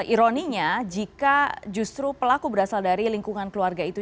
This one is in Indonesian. ironinya jika justru pelaku berasal dari lingkungan keluarga itu